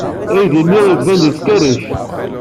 Aydi-nni yettban-d yettkerric.